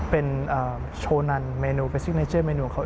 เป็นโชว์นันเมนู